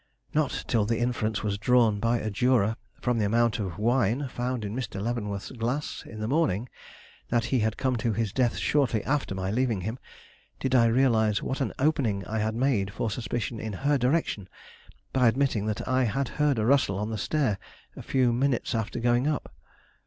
Not till the inference was drawn by a juror, from the amount of wine found in Mr. Leavenworth's glass in the morning, that he had come to his death shortly after my leaving him, did I realize what an opening I had made for suspicion in her direction by admitting that I had heard a rustle on the stair a few minutes after going up.